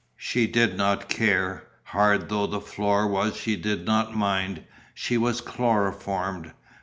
She did not care. Hard though the floor was she did not mind, she was chloroformed.